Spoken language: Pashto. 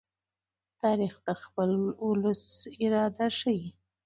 تاریخ د خپل ولس اراده ښيي.